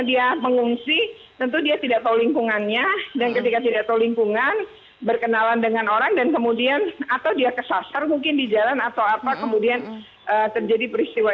dia mengungsi tentu dia tidak tahu lingkungannya dan ketika tidak tahu lingkungan berkenalan dengan orang dan kemudian atau dia kesasar mungkin di jalan atau apa kemudian terjadi peristiwa